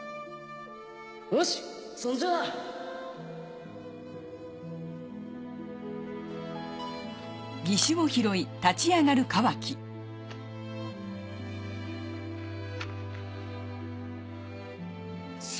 よしそんじゃあ３！